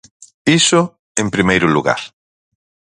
Iso, en primeiro lugar.